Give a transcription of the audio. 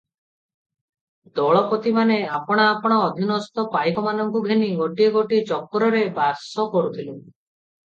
ଦଳପତିମାନେ ଆପଣା ଆପଣା ଅଧିନସ୍ଥ ପାଇକମାନଙ୍କୁ ଘେନି ଗୋଟିଏ ଗୋଟିଏ ଚକ୍ରରେ ବାସ କରୁଥିଲେ ।